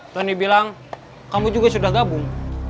tony bilang kamu juga sudah gabung